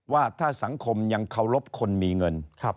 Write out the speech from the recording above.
ว่าถ้าสังคมยังเคารพคนมีเงิน